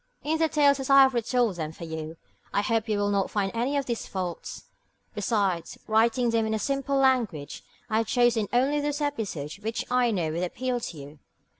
In the tales as I have retold them for you, I hope you will not find any of these faults. Besides writing them in simple language, I have chosen only those episodes which I know would appeal to you.